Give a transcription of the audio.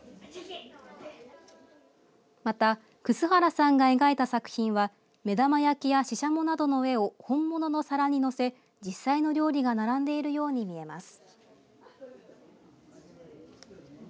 また、楠原さんが描いた作品は目玉焼きや、ししゃもなどの絵を本物の皿にのせ、実際の料理が並んでいるように見えます。